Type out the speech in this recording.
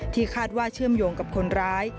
คาดว่าเชื่อมโยงกับคนร้าย